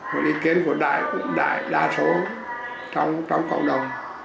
một ý kiến của đại đa số trong cộng đồng